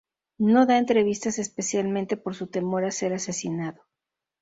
No da entrevistas especialmente por su temor a ser asesinado.